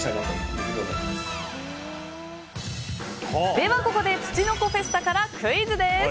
では、ここでつちのこフェスタからクイズです。